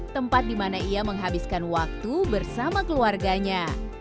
tempat dimana ia menghabiskan waktu bersama keluarganya